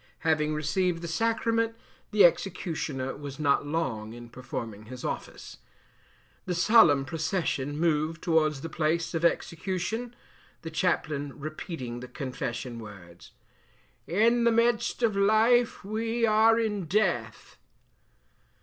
Having received the sacrament, the executioner was not long in performing his office. The solemn procession moved towards the place of execution, the chaplain repeating the confession words, "In the midst of life we are in death."